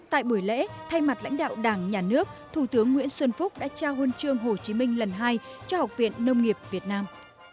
tại buổi lễ thay mặt lãnh đạo đảng nhà nước thủ tướng nguyễn xuân phúc đã trao huân chương hồ chí minh lần hai cho học viện nông nghiệp việt nam